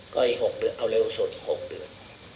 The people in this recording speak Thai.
ก็อีก๖เดือนเอาเร็วสุด๖เดือน